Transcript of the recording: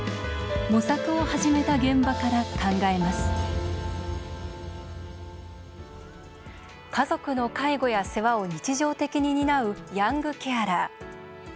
模索を始めた現場から考えます家族の介護や世話を日常的に担うヤングケアラー。